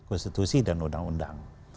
institusi dan undang undang